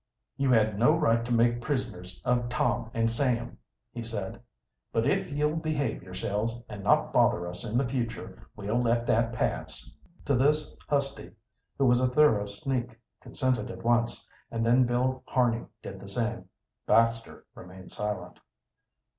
"You had no right to make prisoners of Tom and Sam," he said. "But if you'll behave yourselves, and not bother us in the future, we'll let that pass." To this Husty, who was a thorough sneak, consented at once, and then Bill Harney did the same. Baxter remained silent.